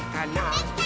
できたー！